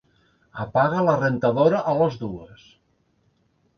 Apaga la rentadora a les dues.